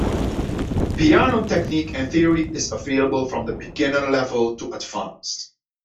Piano technique and theory is available from the beginner level to advanced.